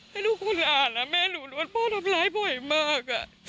ให้ลูกคุณอ่านแล้วแม่หนูโดนพ่อทำร้ายบ่อยมาก